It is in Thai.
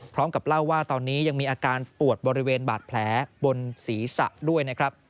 พร้อมกับเล่าว่าตอนนี้ยังมีอาการปวดบริเวณบาดแผลบนศีรษะด้วยนะครับ